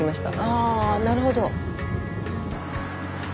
あなるほど。